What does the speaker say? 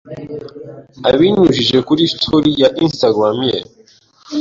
abinyujije kuri story ya instagram ye.